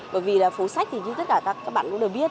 bởi vì là phố sách thì như tất cả các bạn cũng đều biết